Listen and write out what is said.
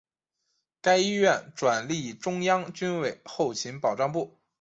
该医院转隶中央军委后勤保障部。